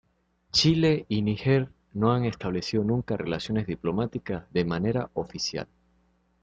Chile y Níger no han establecido nunca relaciones diplomáticas de manera oficial.